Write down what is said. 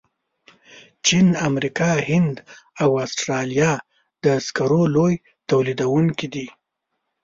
چین، امریکا، هند او استرالیا د سکرو لوی تولیدونکي دي.